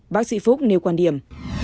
bác sĩ phúc nêu quan điểm